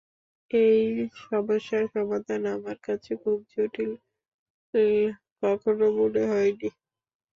এই সমস্যার সমাধান আমার কাছে খুব জটিল কখনো মনে হয় নি।